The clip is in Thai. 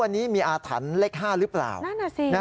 นั่นอ่ะสิ